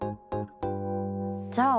じゃあ